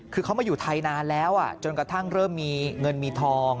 คือเขามาอยู่ไทยนานแล้วจนกระทั่งเริ่มมีเงินมีทอง